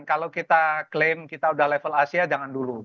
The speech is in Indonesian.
kalau kita klaim kita udah level asia jangan dulu